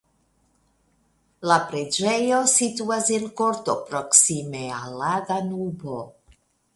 La preĝejo situas en korto proksime al la Danubo.